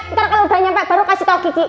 ntar kalau udah nyampe baru kasih tau kiki